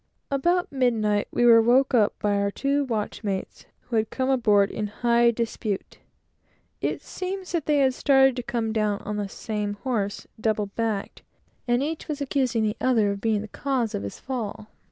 About midnight, we were waked up by our two watchmates, who had come aboard in high dispute. It seems they had started to come down on the same horse, double backed; and each was accusing the other of being the cause of his fall.